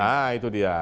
nah itu dia